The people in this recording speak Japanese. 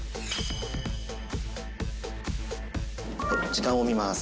時間を見ます。